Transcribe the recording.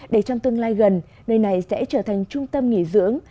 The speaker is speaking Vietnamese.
để trong tương lai gần nơi này sẽ trở thành trung tâm nghỉ dưỡng